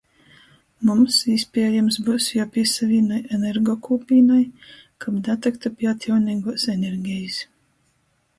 Mums, īspiejams, byus juopīsavīnoj energokūpīnai, kab datyktu pi atjauneiguos energejis.